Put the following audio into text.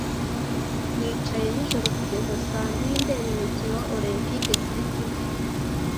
Nicaye nijoro kugeza saa mbiri ndeba imikino Olempike kuri TV.